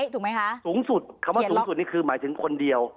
ถูกไหมคะสูงสุดคำว่าสูงสุดนี่คือหมายถึงคนเดียว